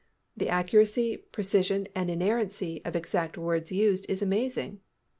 The accuracy, precision and inerrancy of the exact words used is amazing.